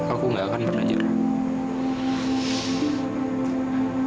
aku nggak akan pernah menyerah